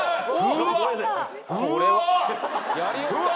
うわ！